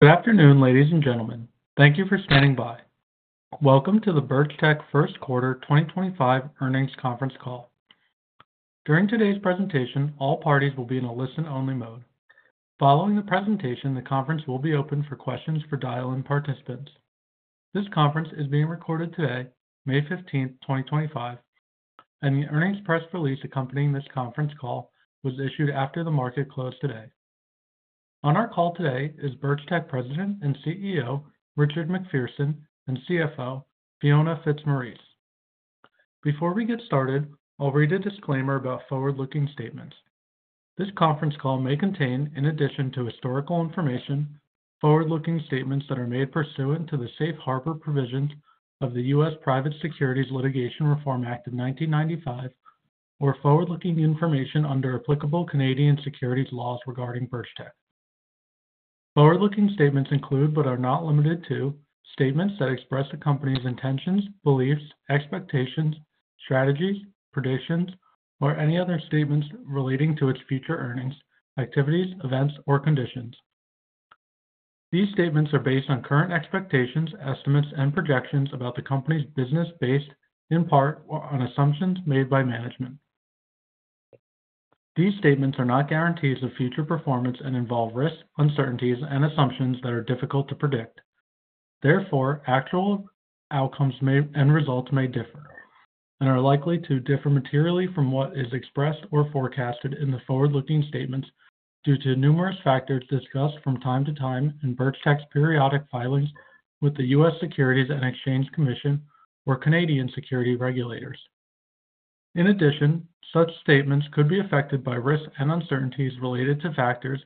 Good afternoon, ladies and gentlemen. Thank you for standing by. Welcome to the Birchtech First Quarter 2025 Earnings Conference Call. During today's presentation, all parties will be in a listen-only mode. Following the presentation, the conference will be open for questions for dial-in participants. This conference is being recorded today, May 15, 2025, and the earnings press release accompanying this conference call was issued after the market closed today. On our call today is Birchtech President and CEO, Richard MacPherson, and CFO, Fiona Fitzmaurice. Before we get started, I'll read a disclaimer about forward-looking statements. This conference call may contain, in addition to historical information, forward-looking statements that are made pursuant to the Safe Harbor Provisions of the U.S. Private Securities Litigation Reform Act of 1995, or forward-looking information under applicable Canadian securities laws regarding Birchtech. Forward-looking statements include but are not limited to statements that express the company's intentions, beliefs, expectations, strategies, predictions, or any other statements relating to its future earnings, activities, events, or conditions. These statements are based on current expectations, estimates, and projections about the company's business based in part on assumptions made by management. These statements are not guarantees of future performance and involve risks, uncertainties, and assumptions that are difficult to predict. Therefore, actual outcomes and results may differ and are likely to differ materially from what is expressed or forecasted in the forward-looking statements due to numerous factors discussed from time to time in Birchtech's periodic filings with the U.S. Securities and Exchange Commission or Canadian security regulators. In addition, such statements could be affected by risks and uncertainties related to factors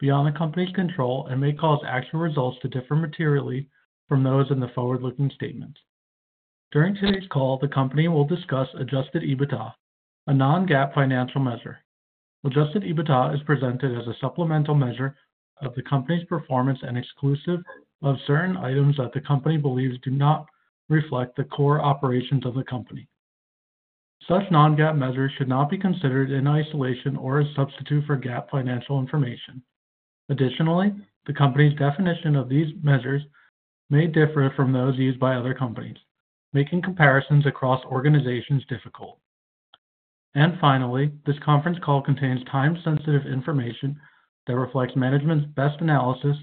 beyond the company's control and may cause actual results to differ materially from those in the forward-looking statements. During today's call, the company will discuss adjusted EBITDA, a non-GAAP financial measure. Adjusted EBITDA is presented as a supplemental measure of the company's performance and exclusive of certain items that the company believes do not reflect the core operations of the company. Such non-GAAP measures should not be considered in isolation or a substitute for GAAP financial information. Additionally, the company's definition of these measures may differ from those used by other companies, making comparisons across organizations difficult. Finally, this conference call contains time-sensitive information that reflects management's best analysis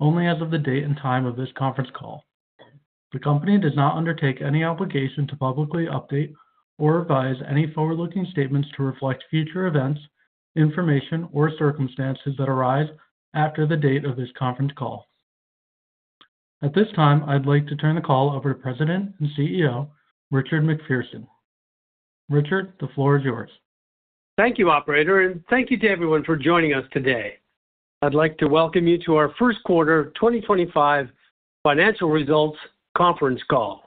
only as of the date and time of this conference call. The company does not undertake any obligation to publicly update or revise any forward-looking statements to reflect future events, information, or circumstances that arise after the date of this conference call. At this time, I'd like to turn the call over to President and CEO, Richard MacPherson. Richard, the floor is yours. Thank you, Operator, and thank you to everyone for joining us today. I'd like to welcome you to our First Quarter 2025 Financial Results Conference Call.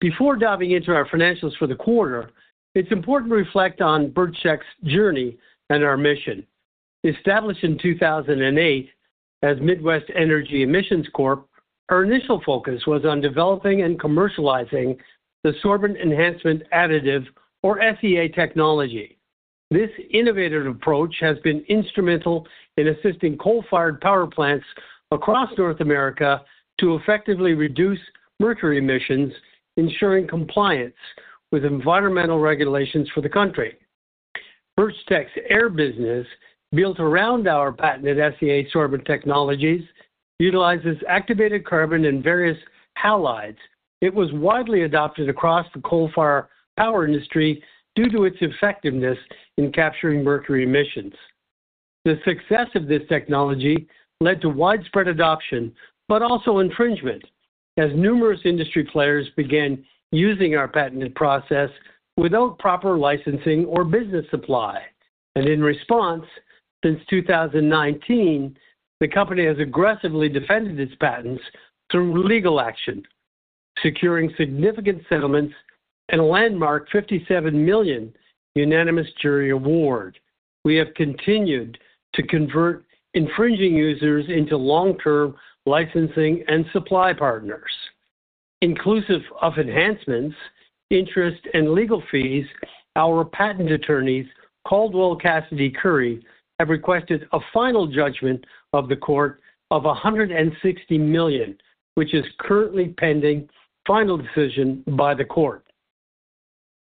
Before diving into our financials for the quarter, it's important to reflect on Birchtech's journey and our mission. Established in 2008 as Midwest Energy Emissions Corp, our initial focus was on developing and commercializing the Sorbent Enhancement Additive, or SEA, technology. This innovative approach has been instrumental in assisting coal-fired power plants across North America to effectively reduce mercury emissions, ensuring compliance with environmental regulations for the country. Birchtech's air business, built around our patented SEA sorbent technologies, utilizes activated carbon and various halides. It was widely adopted across the coal-fired power industry due to its effectiveness in capturing mercury emissions. The success of this technology led to widespread adoption, but also infringement, as numerous industry players began using our patented process without proper licensing or business supply. In response, since 2019, the company has aggressively defended its patents through legal action, securing significant settlements and a landmark $57 million unanimous jury award. We have continued to convert infringing users into long-term licensing and supply partners. Inclusive of enhancements, interest, and legal fees, our patent attorneys, Caldwell Cassidy Curry, have requested a final judgment of the Court of $160 million, which is currently pending final decision by the Court.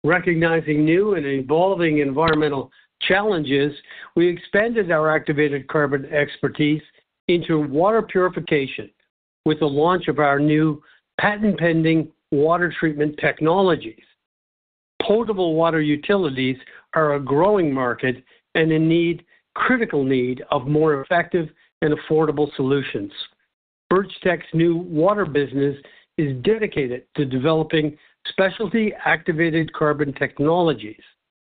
Recognizing new and evolving environmental challenges, we expanded our activated carbon expertise into water purification with the launch of our new patent-pending water treatment technologies. Potable water utilities are a growing market and a critical need of more effective and affordable solutions. Birchtech's new water business is dedicated to developing specialty activated carbon technologies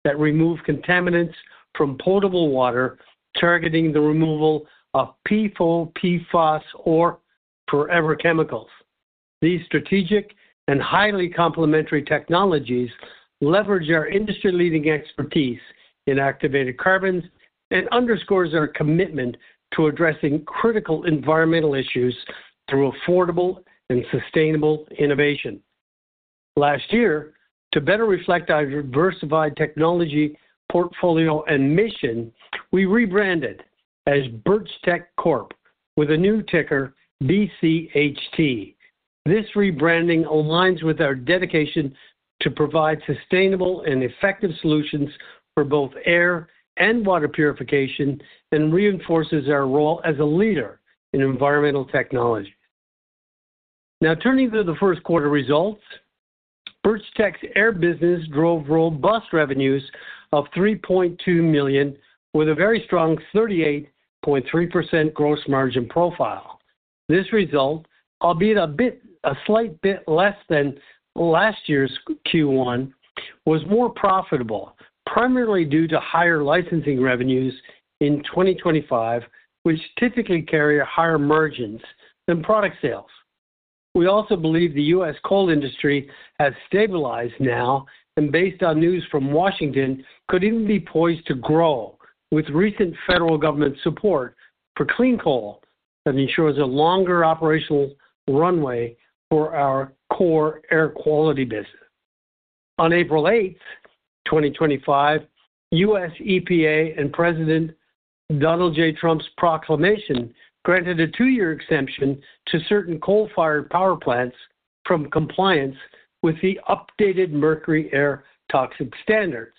that remove contaminants from potable water, targeting the removal of PFO, PFOS, or forever chemicals. These strategic and highly complementary technologies leverage our industry-leading expertise in activated carbons and underscore our commitment to addressing critical environmental issues through affordable and sustainable innovation. Last year, to better reflect our diversified technology portfolio and mission, we rebranded as Birchtech with a new ticker, BCHT. This rebranding aligns with our dedication to provide sustainable and effective solutions for both air and water purification and reinforces our role as a leader in environmental technology. Now, turning to the first quarter results, Birchtech's air business drove robust revenues of $3.2 million with a very strong 38.3% gross margin profile. This result, albeit a slight bit less than last year's Q1, was more profitable, primarily due to higher licensing revenues in 2025, which typically carry higher margins than product sales. We also believe the U.S. coal industry has stabilized now and, based on news from Washington, could even be poised to grow with recent federal government support for clean coal that ensures a longer operational runway for our core air quality business. On April 8, 2025, U.S. EPA and President Donald J. Trump's proclamation granted a two-year exemption to certain coal-fired power plants from compliance with the updated mercury air toxic standards.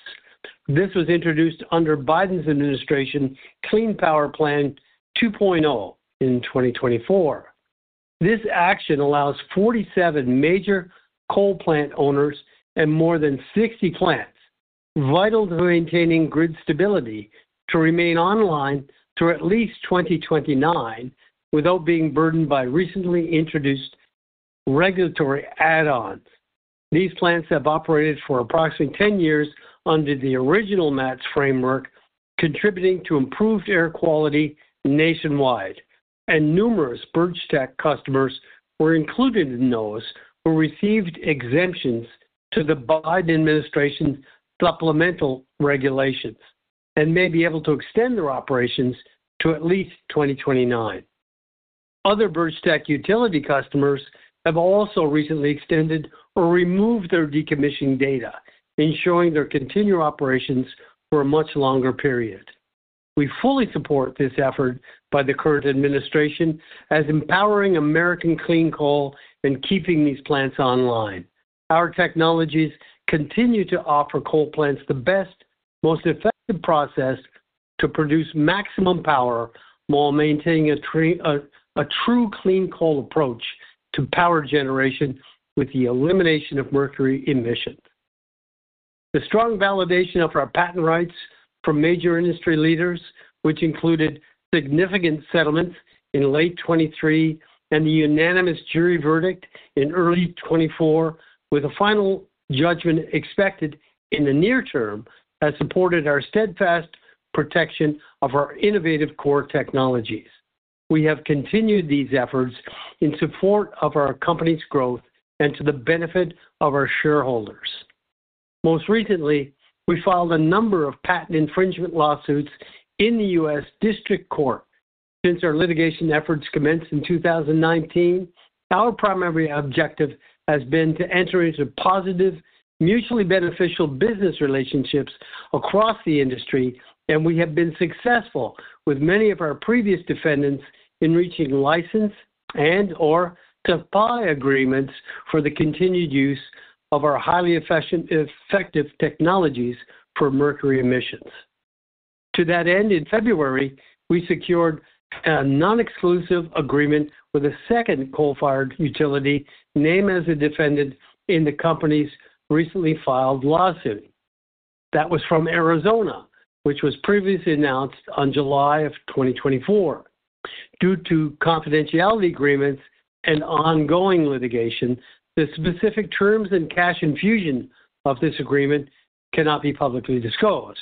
This was introduced under Biden's administration, Clean Power Plan 2.0 in 2024. This action allows 47 major coal plant owners and more than 60 plants vital to maintaining grid stability to remain online through at least 2029 without being burdened by recently introduced regulatory add-ons. These plants have operated for approximately 10 years under the original MATS framework, contributing to improved air quality nationwide. Numerous Birchtech customers who are included in those who received exemptions to the Biden administration's supplemental regulations may be able to extend their operations to at least 2029. Other Birchtech utility customers have also recently extended or removed their decommissioning date, ensuring their continued operations for a much longer period. We fully support this effort by the current administration as empowering American clean coal and keeping these plants online. Our technologies continue to offer coal plants the best, most effective process to produce maximum power while maintaining a true clean coal approach to power generation with the elimination of mercury emissions. The strong validation of our patent rights from major industry leaders, which included significant settlements in late 2023 and the unanimous jury verdict in early 2024, with a final judgment expected in the near term, has supported our steadfast protection of our innovative core technologies. We have continued these efforts in support of our company's growth and to the benefit of our shareholders. Most recently, we filed a number of patent infringement lawsuits in the U.S. District Court. Since our litigation efforts commenced in 2019, our primary objective has been to enter into positive, mutually beneficial business relationships across the industry, and we have been successful with many of our previous defendants in reaching license and/or supply agreements for the continued use of our highly effective technologies for mercury emissions. To that end, in February, we secured a non-exclusive agreement with a second coal-fired utility named as a defendant in the company's recently filed lawsuit. That was from Arizona, which was previously announced in July of 2024. Due to confidentiality agreements and ongoing litigation, the specific terms and cash infusion of this agreement cannot be publicly disclosed.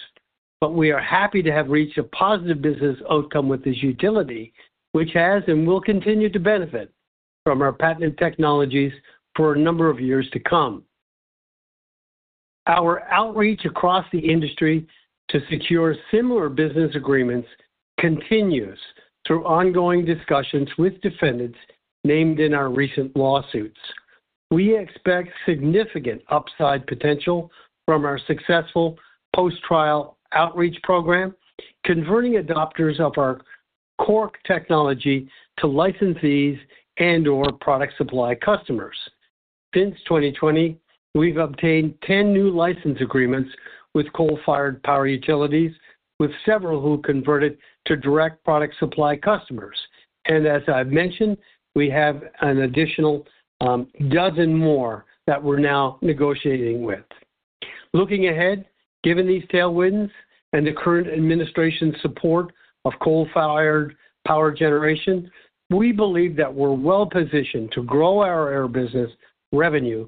We are happy to have reached a positive business outcome with this utility, which has and will continue to benefit from our patented technologies for a number of years to come. Our outreach across the industry to secure similar business agreements continues through ongoing discussions with defendants named in our recent lawsuits. We expect significant upside potential from our successful post-trial outreach program, converting adopters of our core technology to licensees and/or product supply customers. Since 2020, we've obtained 10 new license agreements with coal-fired power utilities, with several who converted to direct product supply customers. As I've mentioned, we have an additional dozen more that we're now negotiating with. Looking ahead, given these tailwinds and the current administration's support of coal-fired power generation, we believe that we're well positioned to grow our air business revenue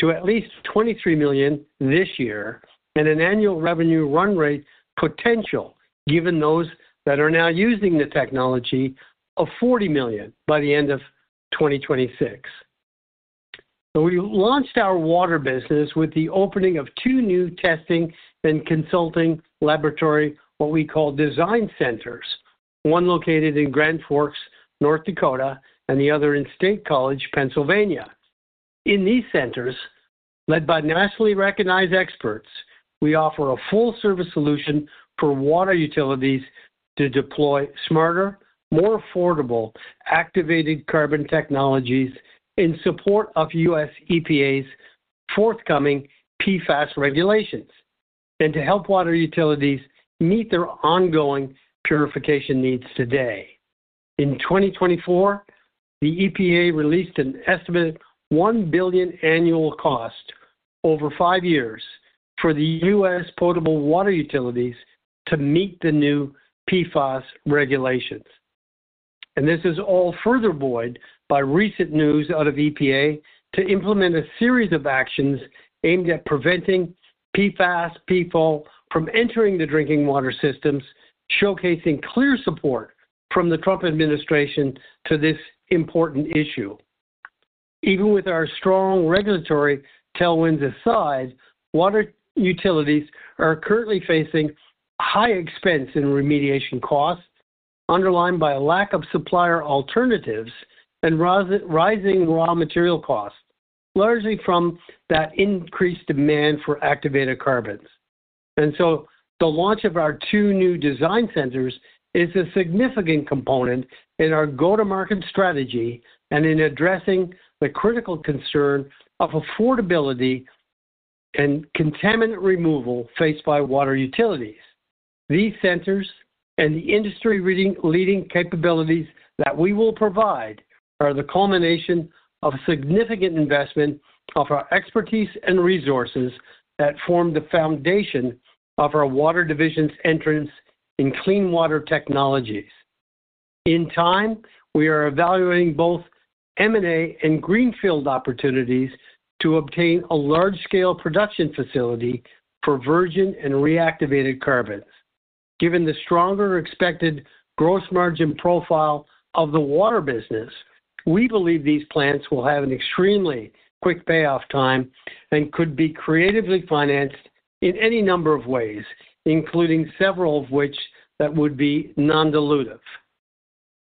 to at least $23 million this year and an annual revenue run rate potential, given those that are now using the technology, of $40 million by the end of 2026. We launched our water business with the opening of two new testing and consulting laboratory, what we call design centers, one located in Grand Forks, North Dakota, and the other in State College, Pennsylvania. In these centers, led by nationally recognized experts, we offer a full-service solution for water utilities to deploy smarter, more affordable activated carbon technologies in support of U.S. EPA's forthcoming PFAS regulations and to help water utilities meet their ongoing purification needs today. In 2024, the EPA released an estimated $1 billion annual cost over five years for the U.S. potable water utilities to meet the new PFAS regulations. This is all further buoyed by recent news out of EPA to implement a series of actions aimed at preventing PFAS, PFOS from entering the drinking water systems, showcasing clear support from the Trump administration to this important issue. Even with our strong regulatory tailwinds aside, water utilities are currently facing high expense and remediation costs underlined by a lack of supplier alternatives and rising raw material costs, largely from that increased demand for activated carbons. The launch of our two new design centers is a significant component in our go-to-market strategy and in addressing the critical concern of affordability and contaminant removal faced by water utilities. These centers and the industry-leading capabilities that we will provide are the culmination of a significant investment of our expertise and resources that form the foundation of our water division's entrance in clean water technologies. In time, we are evaluating both M&A and greenfield opportunities to obtain a large-scale production facility for virgin and reactivated carbons. Given the stronger expected gross margin profile of the water business, we believe these plants will have an extremely quick payoff time and could be creatively financed in any number of ways, including several of which that would be non-dilutive.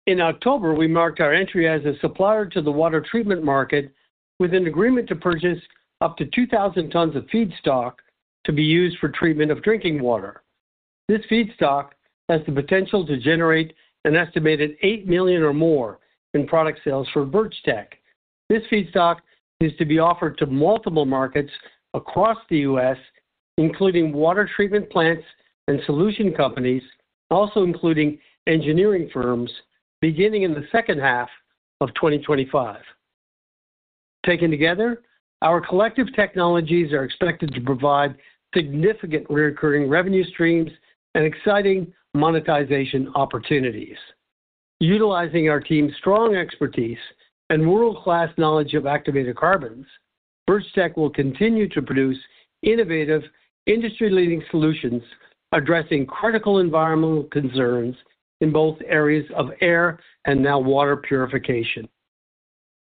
In October, we marked our entry as a supplier to the water treatment market with an agreement to purchase up to 2,000 tons of feedstock to be used for treatment of drinking water. This feedstock has the potential to generate an estimated $8 million or more in product sales for Birchtech. This feedstock is to be offered to multiple markets across the U.S., including water treatment plants and solution companies, also including engineering firms, beginning in the second half of 2025. Taken together, our collective technologies are expected to provide significant recurring revenue streams and exciting monetization opportunities. Utilizing our team's strong expertise and world-class knowledge of activated carbons, Birchtech will continue to produce innovative, industry-leading solutions addressing critical environmental concerns in both areas of air and now water purification.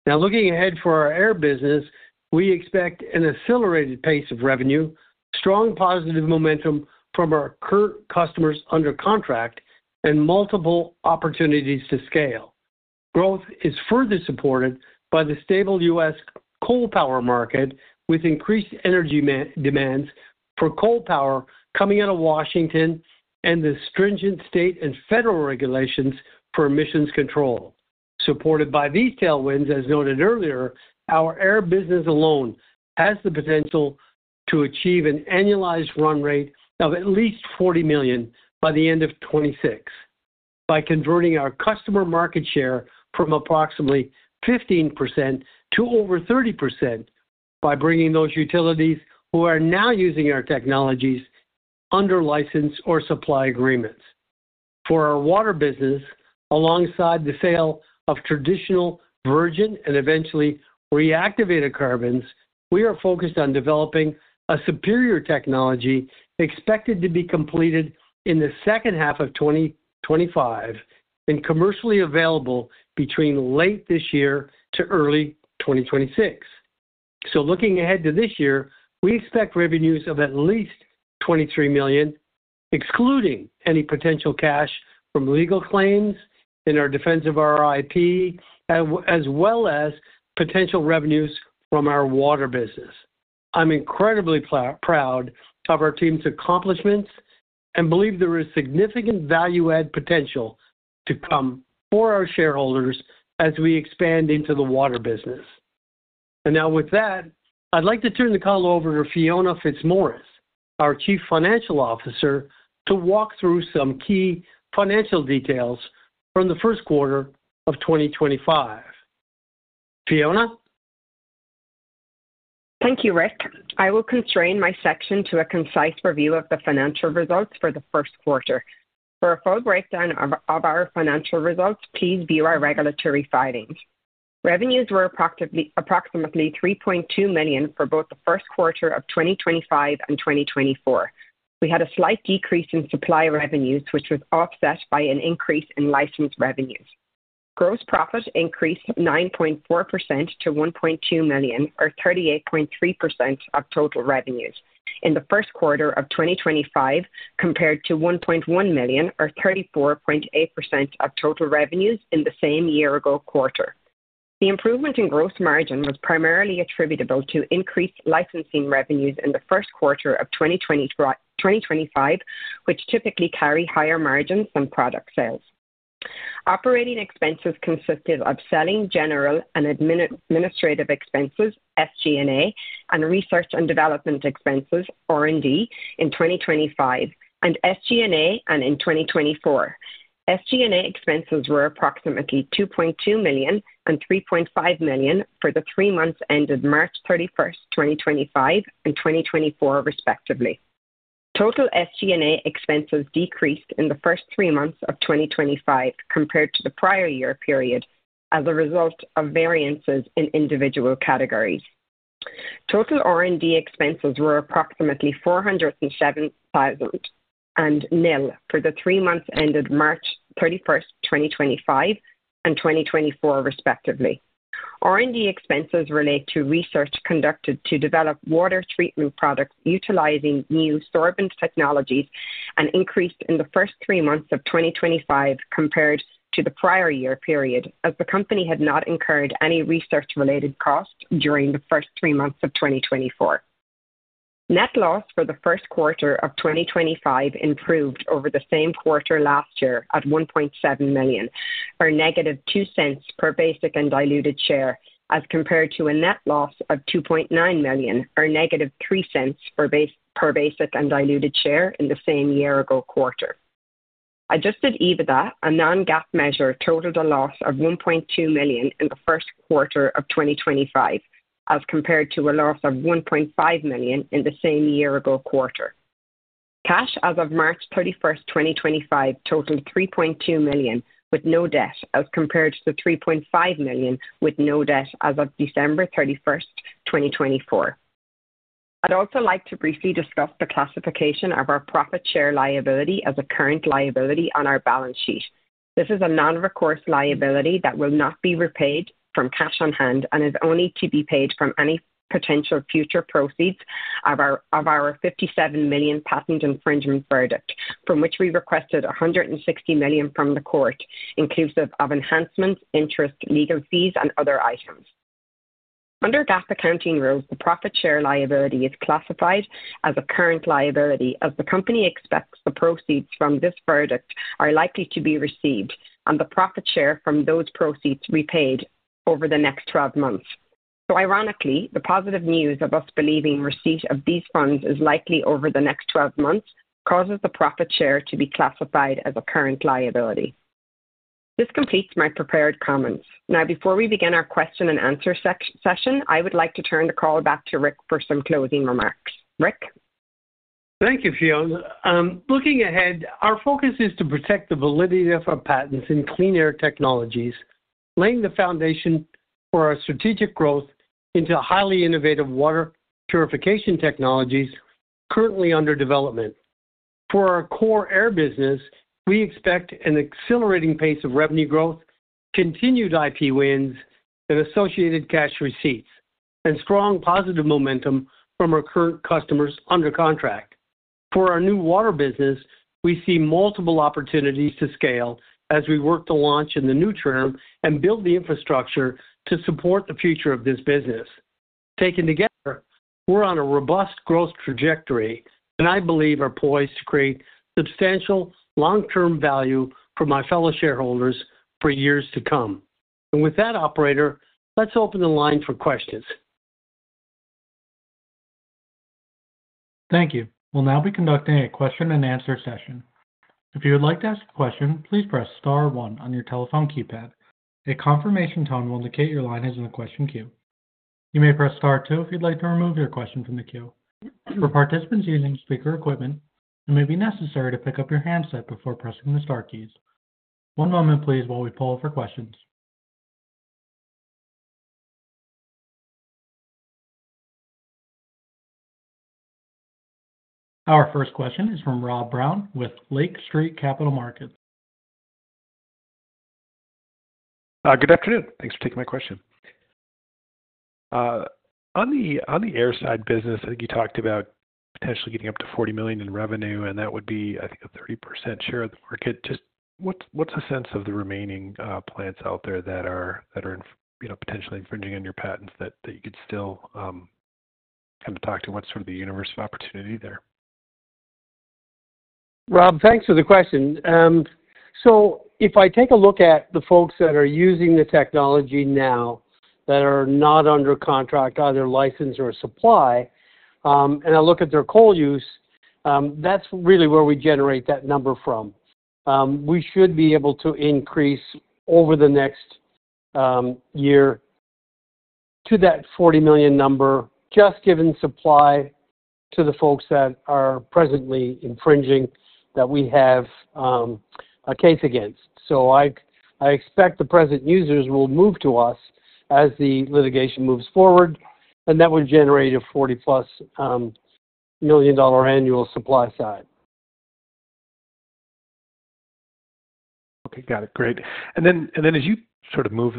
Now, looking ahead for our air business, we expect an accelerated pace of revenue, strong positive momentum from our current customers under contract, and multiple opportunities to scale. Growth is further supported by the stable U.S. coal power market with increased energy demands for coal power coming out of Washington and the stringent state and federal regulations for emissions control. Supported by these tailwinds, as noted earlier, our air business alone has the potential to achieve an annualized run rate of at least $40 million by the end of 2026 by converting our customer market share from approximately 15% to over 30% by bringing those utilities who are now using our technologies under license or supply agreements. For our water business, alongside the sale of traditional virgin and eventually reactivated carbons, we are focused on developing a superior technology expected to be completed in the second half of 2025 and commercially available between late this year to early 2026. Looking ahead to this year, we expect revenues of at least $23 million, excluding any potential cash from legal claims in our defense of our IP, as well as potential revenues from our water business. I'm incredibly proud of our team's accomplishments and believe there is significant value-add potential to come for our shareholders as we expand into the water business. Now with that, I'd like to turn the call over to Fiona Fitzmaurice, our Chief Financial Officer, to walk through some key financial details from the first quarter of 2025. Fiona? Thank you, Rick. I will constrain my section to a concise review of the financial results for the first quarter. For a full breakdown of our financial results, please view our regulatory findings. Revenues were approximately $3.2 million for both the first quarter of 2025 and 2024. We had a slight decrease in supply revenues, which was offset by an increase in license revenues. Gross profit increased 9.4% to $1.2 million, or 38.3% of total revenues in the first quarter of 2025, compared to $1.1 million, or 34.8% of total revenues in the same year-ago quarter. The improvement in gross margin was primarily attributable to increased licensing revenues in the first quarter of 2025, which typically carry higher margins than product sales. Operating expenses consisted of selling, general and administrative expenses, SG&A, and research and development expenses, R&D, in 2025 and SG&A in 2024. SG&A expenses were approximately $2.2 million and $3.5 million for the three months ended March 31, 2025 and 2024, respectively. Total SG&A expenses decreased in the first three months of 2025 compared to the prior year period as a result of variances in individual categories. Total R&D expenses were approximately $407,000 and nil for the three months ended March 31, 2025 and 2024, respectively. R&D expenses relate to research conducted to develop water treatment products utilizing new sorbent technologies and increased in the first three months of 2025 compared to the prior year period, as the company had not incurred any research-related costs during the first three months of 2024. Net loss for the first quarter of 2025 improved over the same quarter last year at $1.7 million, or negative $0.02 per basic and diluted share, as compared to a net loss of $2.9 million, or negative $0.03 per basic and diluted share in the same year-ago quarter. Adjusted EBITDA, a non-GAAP measure, totaled a loss of $1.2 million in the first quarter of 2025, as compared to a loss of $1.5 million in the same year-ago quarter. Cash as of March 31, 2025, totaled $3.2 million with no debt, as compared to the $3.5 million with no debt as of December 31, 2024. I'd also like to briefly discuss the classification of our profit share liability as a current liability on our balance sheet. This is a non-recourse liability that will not be repaid from cash on hand and is only to be paid from any potential future proceeds of our $57 million patent infringement verdict, from which we requested $160 million from the court, inclusive of enhancements, interest, legal fees, and other items. Under GAAP accounting rules, the profit share liability is classified as a current liability, as the company expects the proceeds from this verdict are likely to be received and the profit share from those proceeds repaid over the next 12 months. Ironically, the positive news of us believing receipt of these funds is likely over the next 12 months causes the profit share to be classified as a current liability. This completes my prepared comments. Now, before we begin our question and answer session, I would like to turn the call back to Rick for some closing remarks. Rick? Thank you, Fiona. Looking ahead, our focus is to protect the validity of our patents in clean air technologies, laying the foundation for our strategic growth into highly innovative water purification technologies currently under development. For our core air business, we expect an accelerating pace of revenue growth, continued IP wins and associated cash receipts, and strong positive momentum from our current customers under contract. For our new water business, we see multiple opportunities to scale as we work to launch in the new term and build the infrastructure to support the future of this business. Taken together, we're on a robust growth trajectory, and I believe are poised to create substantial long-term value for my fellow shareholders for years to come. With that, operator, let's open the line for questions. Thank you. We'll now be conducting a question and answer session. If you would like to ask a question, please press Star 1 on your telephone keypad. A confirmation tone will indicate your line is in the question queue. You may press Star 2 if you'd like to remove your question from the queue. For participants using speaker equipment, it may be necessary to pick up your handset before pressing the Star keys. One moment, please, while we pull up for questions. Our first question is from Rob Brown with Lake Street Capital Markets. Good afternoon. Thanks for taking my question. On the airside business, I think you talked about potentially getting up to $40 million in revenue, and that would be, I think, a 30% share of the market. Just what's the sense of the remaining plants out there that are potentially infringing on your patents that you could still kind of talk to? What's sort of the universe of opportunity there? Rob, thanks for the question. If I take a look at the folks that are using the technology now that are not under contract, either license or supply, and I look at their coal use, that's really where we generate that number from. We should be able to increase over the next year to that $40 million number, just given supply to the folks that are presently infringing that we have a case against. I expect the present users will move to us as the litigation moves forward, and that would generate a $40-plus million annual supply side. Okay. Got it. Great. As you sort of move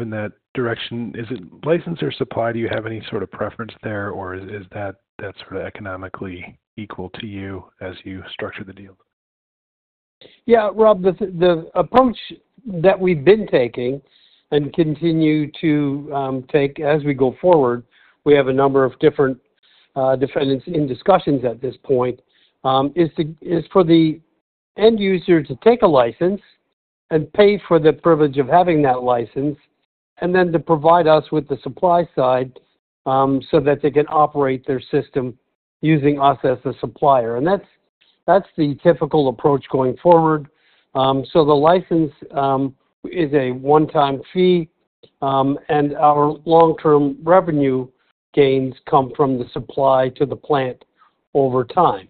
in that direction, is it license or supply? Do you have any sort of preference there, or is that sort of economically equal to you as you structure the deal? Yeah.Rob, the approach that we've been taking and continue to take as we go forward, we have a number of different defendants in discussions at this point, is for the end user to take a license and pay for the privilege of having that license, and then to provide us with the supply side so that they can operate their system using us as a supplier. That's the typical approach going forward. The license is a one-time fee, and our long-term revenue gains come from the supply to the plant over time.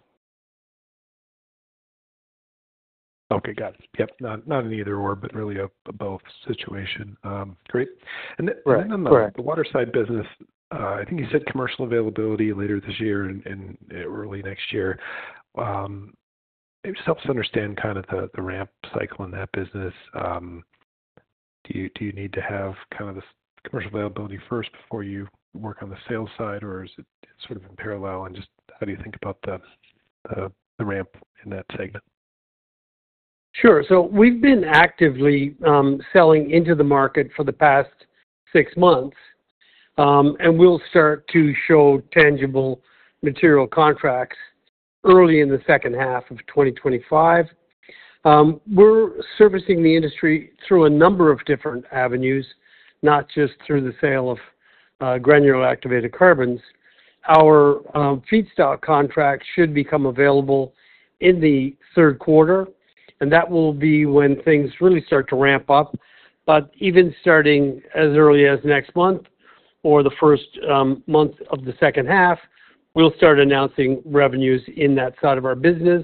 Okay. Got it. Yep. Not an either/or, but really a both situation. Great. The waterside business, I think you said commercial availability later this year and early next year. It just helps to understand kind of the ramp cycle in that business. Do you need to have kind of this commercial availability first before you work on the sales side, or is it sort of in parallel? And just how do you think about the ramp in that segment? Sure. So we've been actively selling into the market for the past six months, and we'll start to show tangible material contracts early in the second half of 2025. We're servicing the industry through a number of different avenues, not just through the sale of granular activated carbons. Our feedstock contract should become available in the third quarter, and that will be when things really start to ramp up. Even starting as early as next month or the first month of the second half, we'll start announcing revenues in that side of our business.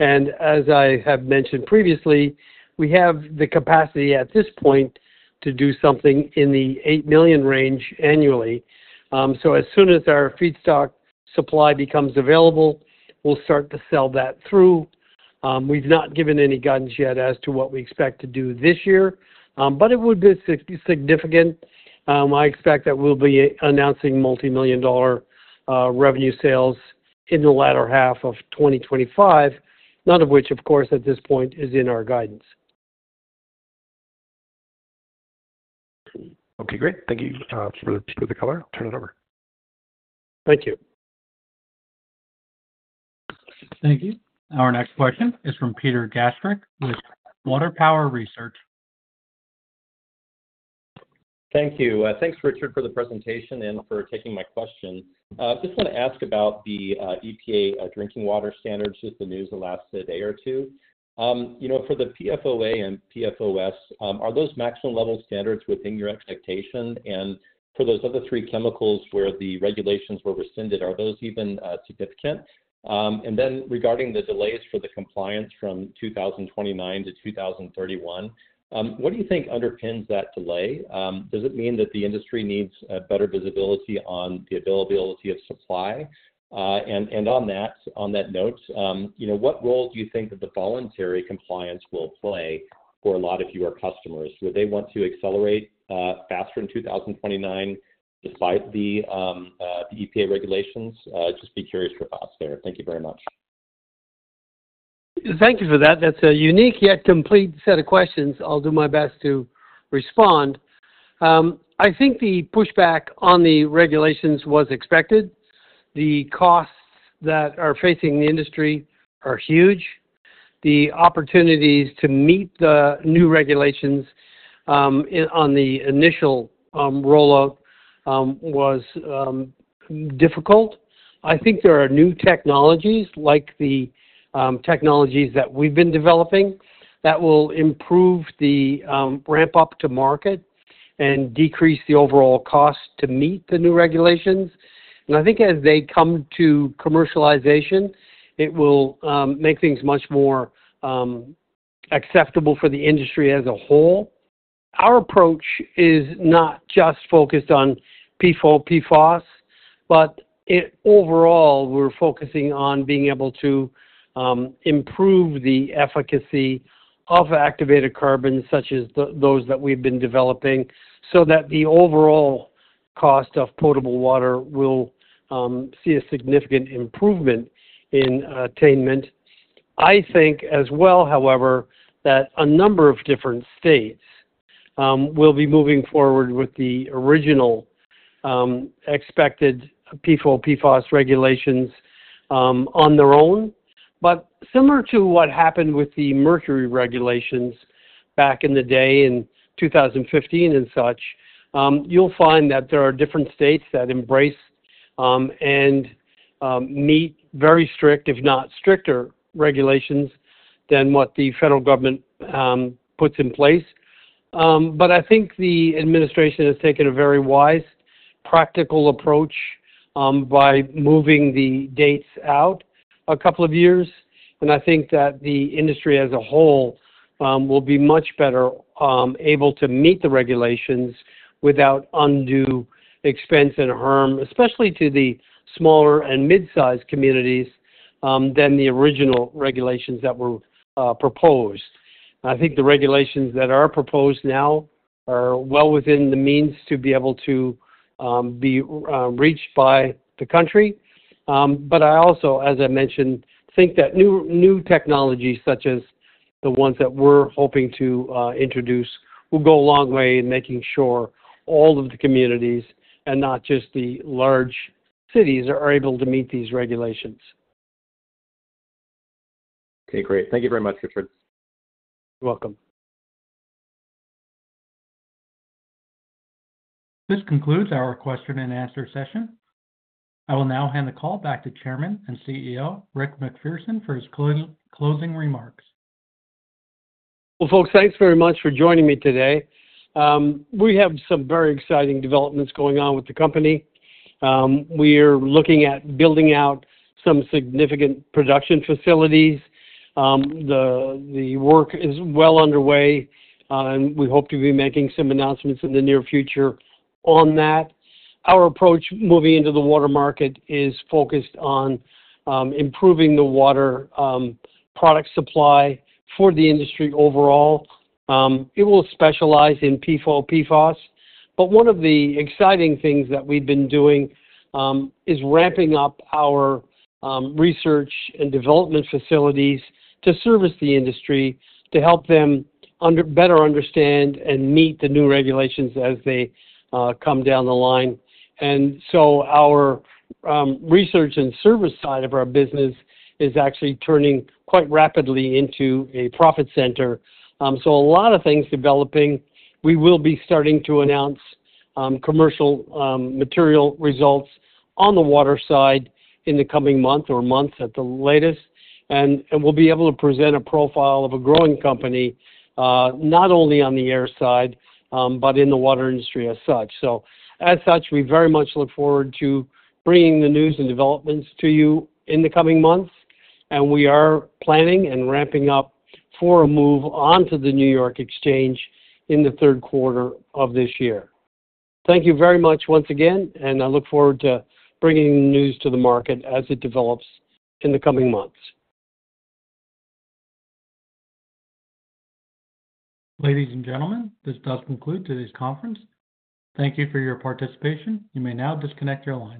As I have mentioned previously, we have the capacity at this point to do something in the $8 million range annually. As soon as our feedstock supply becomes available, we'll start to sell that through. We've not given any guidance yet as to what we expect to do this year, but it would be significant. I expect that we'll be announcing multi-million dollar revenue sales in the latter half of 2025, none of which, of course, at this point is in our guidance. Okay. Great. Thank you for the color. I'll turn it over. Thank you. Thank you. Our next question is from Peter Gastrich with Water Power Research. Thank you. Thanks, Richard, for the presentation and for taking my question. Just want to ask about the EPA drinking water standards. Just the news the last day or two. For the PFOA and PFOS, are those maximum level standards within your expectation? For those other three chemicals where the regulations were rescinded, are those even significant? Regarding the delays for the compliance from 2029 to 2031, what do you think underpins that delay? Does it mean that the industry needs better visibility on the availability of supply? On that note, what role do you think that the voluntary compliance will play for a lot of your customers? Would they want to accelerate faster in 2029 despite the EPA regulations? Just be curious for thoughts there. Thank you very much. Thank you for that. That is a unique yet complete set of questions. I'll do my best to respond. I think the pushback on the regulations was expected. The costs that are facing the industry are huge. The opportunities to meet the new regulations on the initial rollout was difficult. I think there are new technologies, like the technologies that we've been developing, that will improve the ramp-up to market and decrease the overall cost to meet the new regulations. I think as they come to commercialization, it will make things much more acceptable for the industry as a whole. Our approach is not just focused on PFOA, PFOS, but overall, we're focusing on being able to improve the efficacy of activated carbon, such as those that we've been developing, so that the overall cost of potable water will see a significant improvement in attainment. I think as well, however, that a number of different states will be moving forward with the original expected PFOA, PFOS regulations on their own. Similar to what happened with the mercury regulations back in the day in 2015 and such, you'll find that there are different states that embrace and meet very strict, if not stricter, regulations than what the federal government puts in place. I think the administration has taken a very wise, practical approach by moving the dates out a couple of years. I think that the industry as a whole will be much better able to meet the regulations without undue expense and harm, especially to the smaller and mid-sized communities than the original regulations that were proposed. I think the regulations that are proposed now are well within the means to be able to be reached by the country. But I also, as I mentioned, think that new technologies, such as the ones that we're hoping to introduce, will go a long way in making sure all of the communities, and not just the large cities, are able to meet these regulations. Okay. Great. Thank you very much, Richard. You're welcome. This concludes our question and answer session. I will now hand the call back to Chairman and CEO, Rick MacPherson, for his closing remarks. Folks, thanks very much for joining me today. We have some very exciting developments going on with the company. We are looking at building out some significant production facilities. The work is well underway, and we hope to be making some announcements in the near future on that. Our approach moving into the water market is focused on improving the water product supply for the industry overall. It will specialize in PFOA, PFOS. One of the exciting things that we've been doing is ramping up our research and development facilities to service the industry to help them better understand and meet the new regulations as they come down the line. Our research and service side of our business is actually turning quite rapidly into a profit center. A lot of things developing. We will be starting to announce commercial material results on the water side in the coming month or months at the latest. We'll be able to present a profile of a growing company, not only on the air side, but in the water industry as such. As such, we very much look forward to bringing the news and developments to you in the coming months. We are planning and ramping up for a move onto the New York Exchange in the third quarter of this year. Thank you very much once again, and I look forward to bringing the news to the market as it develops in the coming months. Ladies and gentlemen, this does conclude today's conference. Thank you for your participation. You may now disconnect your line.